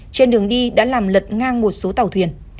trên đường đi đã làm lật ngang một số tàu thuyền